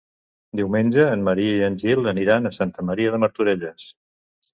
Diumenge en Maria i en Gil aniran a Santa Maria de Martorelles.